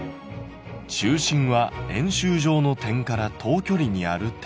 「中心は円周上の点から等距離にある点」。